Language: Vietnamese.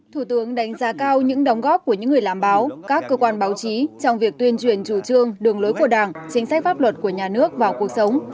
thủ tướng đánh giá cao những đóng góp của những người làm báo các cơ quan báo chí trong việc tuyên truyền chủ trương đường lối của đảng chính sách pháp luật của nhà nước vào cuộc sống